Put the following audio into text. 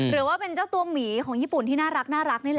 หรือว่าเป็นเจ้าตัวหมีของญี่ปุ่นที่น่ารักนี่แหละ